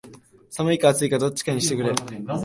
寒いか暑いかどっちかにしてくれ